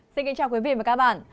xin kính chào quý vị và các bạn